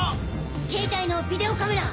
携帯のビデオカメラ！